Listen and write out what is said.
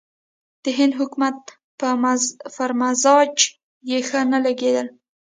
د هند حکومت پر مزاج یې ښه نه لګېدل.